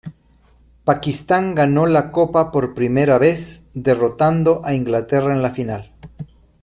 Pakistán ganó la Copa por primero vez, derrotando a Inglaterra en la final.